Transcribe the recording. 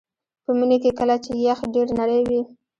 په مني کې کله چې یخ ډیر نری وي